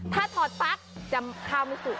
ถ้าถอดปั๊กจะไม่สุข